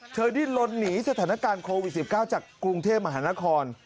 ดิ้นลนหนีสถานการณ์โควิด๑๙จากกรุงเทพมหานคร